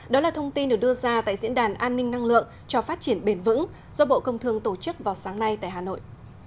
đó là thông tin được đưa ra tại diễn đàn an ninh năng lượng cho phát triển bền vững do bộ công thương tổ chức vào sáng nay tại hà nội